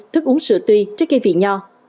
thức uống sữa tươi trái cây vị nho